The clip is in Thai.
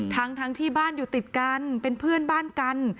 ทั้งที่บ้านอยู่ติดกันเป็นเพื่อนบ้านกัน